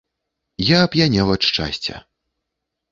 Я ап'янеў ад шчасця.